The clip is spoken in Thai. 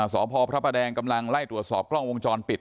สพพระประแดงกำลังไล่ตรวจสอบกล้องวงจรปิด